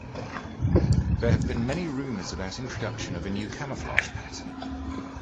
There have been many rumours about introduction of a new camouflage pattern.